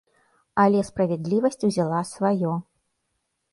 Але справядлівасць узяла сваё!